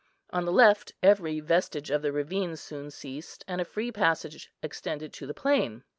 On the left every vestige of the ravine soon ceased, and a free passage extended to the plain.